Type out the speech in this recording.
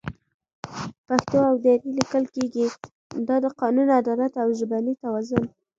پښتو او دري لیکل کېږي، دا د قانون، عدالت او ژبني توازن